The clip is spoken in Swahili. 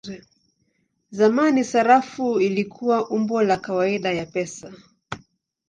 Zamani sarafu ilikuwa umbo la kawaida ya pesa.